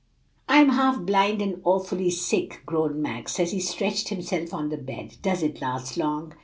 "I'm half blind and awfully sick," groaned Max, as he stretched himself on the bed. "Does it last long?